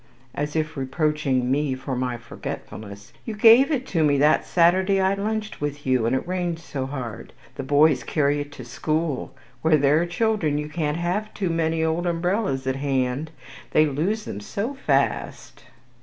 (as if reproaching me for my forgetfulness) 'you gave it to me that Saturday I lunched with you, and it rained so heavily. The boys carry it to school. Where there are children, you can't have too many old umbrellas at hand. They lose them so fast.'